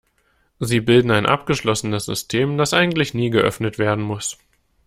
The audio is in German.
Sie bilden ein abgeschlossenes System, das eigentlich nie geöffnet werden muss.